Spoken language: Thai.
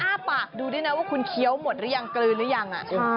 อ้าปากดูด้วยนะว่าคุณเคี้ยวหมดหรือยังกลืนหรือยัง